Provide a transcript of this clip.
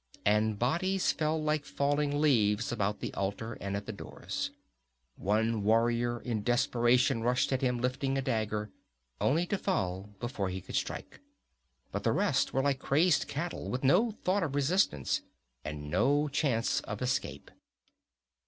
And bodies fell like falling leaves about the altar and at the doors. One warrior in desperation rushed at him, lifting a dagger, only to fall before he could strike. But the rest were like crazed cattle, with no thought for resistance, and no chance of escape.